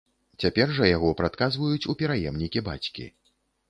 Цяпер жа яго прадказваюць у пераемнікі бацькі.